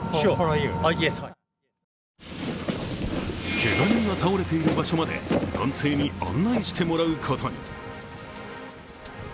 けが人が倒れている場所まで男性に案内してもらうことに。